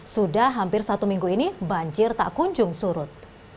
sudah hampir satu minggu ini banjir tak kunjung surut